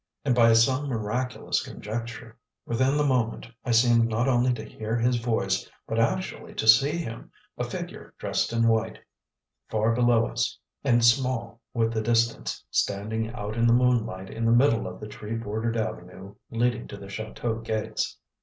And by some miraculous conjecture, within the moment I seemed not only to hear his voice but actually to see him, a figure dressed in white, far below us and small with the distance, standing out in the moonlight in the middle of the tree bordered avenue leading to the chateau gates.